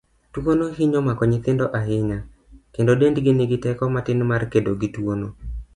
Tuono hinyo mako nyithindo ahinya, kendo dendgi nigi teko matin mar kedo gi tuono.